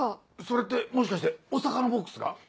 それってもしかしてお魚ボックスが？